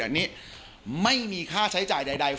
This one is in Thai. อันนี้ไม่มีค่าใช้จ่ายใด